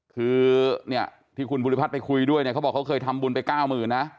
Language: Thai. คือเนี่ยที่คุณภูริพัฒน์ไปคุยด้วยเนี่ยเขาบอกเขาเคยทำบุญไป๙๐๐นะ